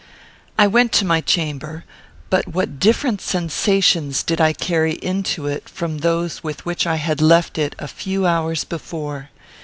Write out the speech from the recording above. I went to my chamber, but what different sensations did I carry into it from those with which I had left it a few hours before!